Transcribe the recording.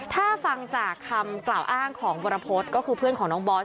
ถ้าฟังจากคำกล่าวอ้างของวรพฤษก็คือเพื่อนของน้องบอส